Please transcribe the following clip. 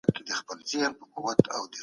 د ژوند حق د الله تعالی تر ټولو لویه ډالۍ ده.